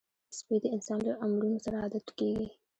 سپي د انسان له امرونو سره عادت کېږي.